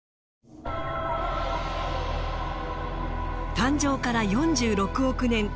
誕生から４６億年。